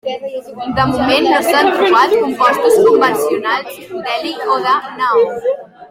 De moment no s'han trobat compostos convencionals d'heli o de neó.